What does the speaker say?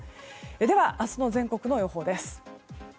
では明日の全国の予報です。